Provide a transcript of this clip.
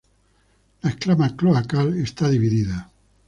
La escama cloacal está dividida.